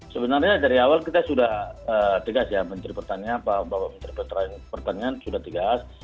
sebenarnya dari awal kita sudah tegas ya menteri pertanian pak bapak menteri menteri pertanian sudah tegas